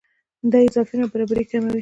دې اضافه نابرابرۍ کموي.